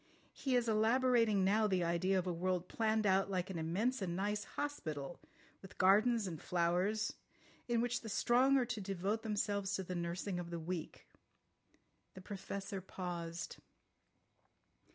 He is elaborating now the idea of a world planned out like an immense and nice hospital, with gardens and flowers, in which the strong are to devote themselves to the nursing of the weak." The Professor paused.